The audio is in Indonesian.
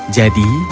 jadi dia berhenti